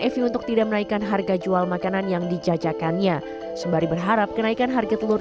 evi untuk tidak menaikkan harga jual makanan yang dijajakannya sembari berharap kenaikan harga telur